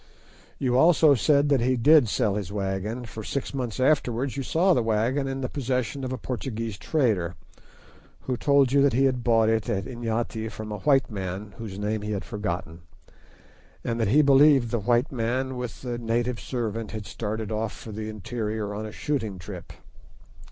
You also said that he did sell his wagon, for six months afterwards you saw the wagon in the possession of a Portuguese trader, who told you that he had bought it at Inyati from a white man whose name he had forgotten, and that he believed the white man with the native servant had started off for the interior on a shooting trip."